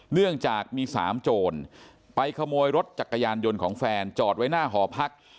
เนื่องจากมีสามโจรไปขโมยรถจักรยานยนต์ของแฟนจอดไว้หน้าหอพัก